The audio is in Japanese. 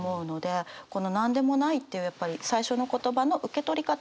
この「なんでもない」っていうやっぱり最初の言葉の受け取り方。